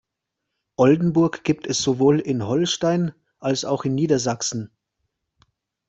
Oldenburg gibt es sowohl in Holstein, als auch in Niedersachsen.